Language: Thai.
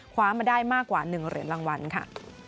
คว้ามาได้มากกว่า๑เหรียญรางวัลค่ะ